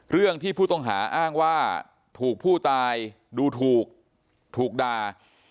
เรื่องที่ผู้ต้องหาอ้างว่าถูกผู้ตายดูถูกด่า